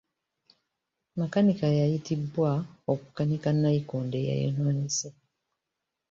Makanika yayitibwa okukanika nnayikondo eyayonoonese.